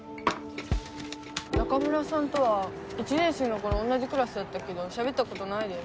中村さんとは１年生の頃同じクラスだったけどしゃべったことないです。